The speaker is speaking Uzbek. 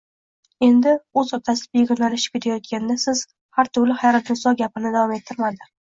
Endi, o`z otasi begonalashib ketayotganda, siz… hartugul Xayriniso gapini davom ettirmadi